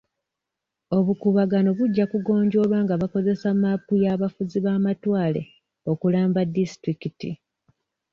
Obukuubagano bujja kugonjoolwa nga bakozesa mmaapu y'abafuzi b'amatwale okulamba disitulikiti.